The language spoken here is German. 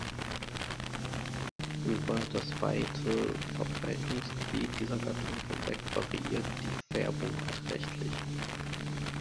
Über das weite Verbreitungsgebiet dieser Gattung hinweg variiert die Färbung beträchtlich.